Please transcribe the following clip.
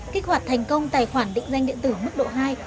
kích hoạt thành công tài khoản định danh điện tử mức độ hai